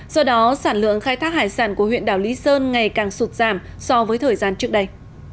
do đó sản lượng khai thác hải sản của huyện đảo lý sơn ngày càng sụt giảm so với thời gian trước đây